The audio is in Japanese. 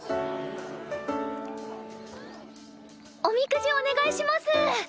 おみくじお願いします！